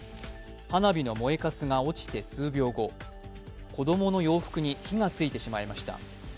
花火の燃えかすが落ちて数秒後、子供の洋服に火がついてしまいました。